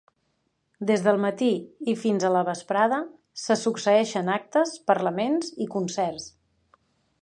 Des del matí i fins a la vesprada se succeïxen actes, parlaments i concerts.